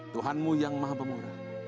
tuhanmu yang maha pemurah